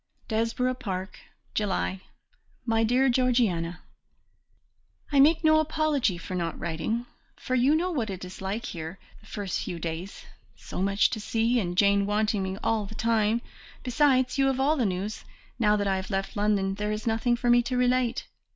"Desborough Park, "July. "My Dear Georgiana, "I make no apology for not writing, for you know what it is like here the first few days, so much to see, and Jane wanting me all the time, besides, you have all the news, now that I have left London there is nothing for me to relate.